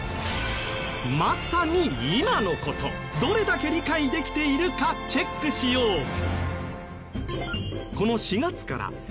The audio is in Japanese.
まさに今の事どれだけ理解できているかチェックしよう。